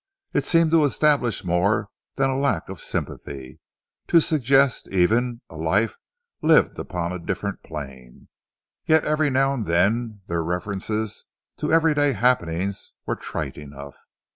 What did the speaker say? It seemed to establish more than a lack of sympathy to suggest, even, a life lived upon a different plane. Yet every now and then their references to everyday happenings were trite enough.